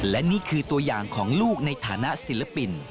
และนี่คือตัวอย่างของลูกในฐานะศิลปิน